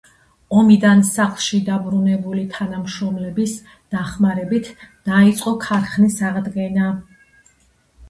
ომიდან სახლში დაბრუნებული თანამშრომლების დახმარებით დაიწყო ქარხნის აღდგენა.